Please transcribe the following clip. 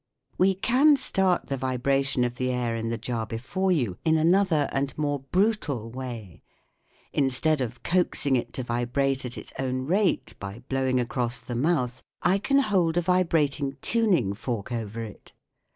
We can start the vibration of the air in the jar before you in another and more brutal way. In stead of coaxing it to vibrate at its own rate by blowing across the mouth, I can hold a vi brating tuning fork over it.